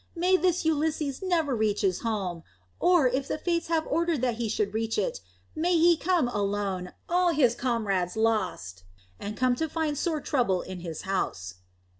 May this Ulysses never reach his home! or, if the Fates have ordered that he should reach it, may he come alone, all his comrades lost, and come to find sore trouble in his house!"